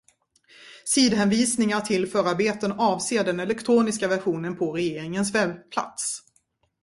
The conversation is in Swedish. Sidhänvisningar till förarbeten avser den elektroniska versionen på regeringens webbplats.